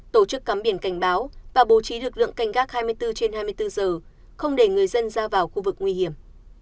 tổ chức cắm biển cảnh báo và bố trí lực lượng canh gác hai mươi bốn trên hai mươi bốn giờ không để người dân ra vào khu vực nguy hiểm